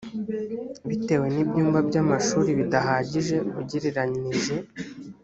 bitewe n ibyumba by amashuri bidahagije ugereranije